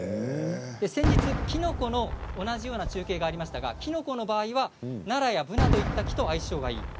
先日、きのこの同じような中継がありましたが、きのこの場合はナラやブナといった木と相性がいい。